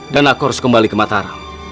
dan aku harus kembali ke mataram